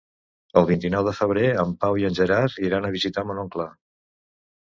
El vint-i-nou de febrer en Pau i en Gerard iran a visitar mon oncle.